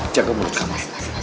jaga mulut kamu